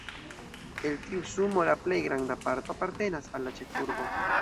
El tiu sumo la plej granda parto apartenas al la ĉefurbo.